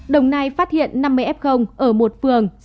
đồng nai phát hiện năm mươi f ở một phường